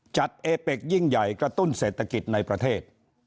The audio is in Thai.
เอเป็กยิ่งใหญ่กระตุ้นเศรษฐกิจในประเทศ